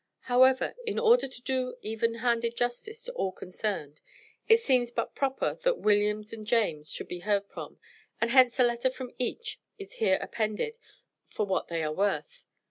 However, in order to do even handed justice to all concerned, it seems but proper that William and James should be heard from, and hence a letter from each is here appended for what they are worth.